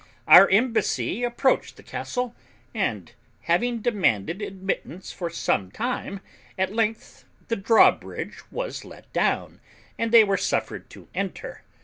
Our embassy approached the castle, and having demanded admittance for some time, at length the drawbridge was let down, and they were suffered to enter.